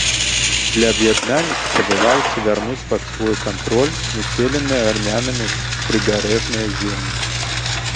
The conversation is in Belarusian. Для аб'яднання патрабавалася вярнуць пад свой кантроль населеныя армянамі прыбярэжныя землі.